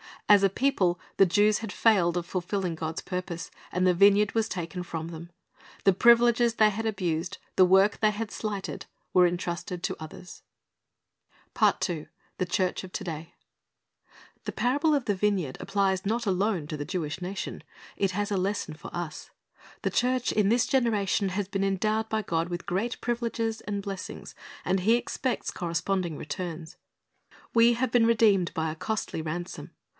As a people the Jews had failed of fulfilling God's purpose, and the vineyard was taken from them. The privileges they had abused, the work they had slighted, was entrusted to others. THE CHUkCH of to day The parable of the vineyard applies not alone to the Jewish nation. It has a lesson for us. The church in this generation has been endowed by God with great privileges and blessings, and He expects corresponding returns. We have been redeemed by a costly ransom.